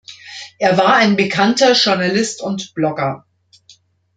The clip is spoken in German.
Er war ein bekannter Journalist und Blogger.